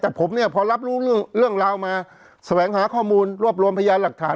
แต่ผมเนี่ยพอรับรู้เรื่องราวมาแสวงหาข้อมูลรวบรวมพยานหลักฐาน